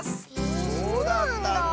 えそうなんだ。